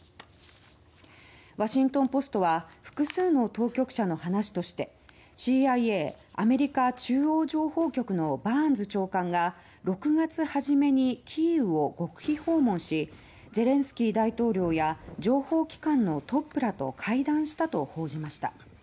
ワシントン・ポストは複数の当局者の話としてＣＩＡ・アメリカ中央情報局のバーンズ長官が６月初めにキーウを極秘訪問しゼレンスキー大統領や情報機関のトップらと会談したと報じました。